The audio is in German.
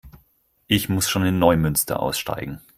Ich muss schon in Neumünster aussteigen